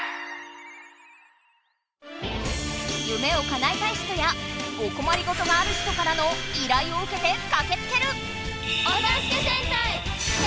夢をかなえたい人やおこまりごとがある人からの依頼をうけてかけつける！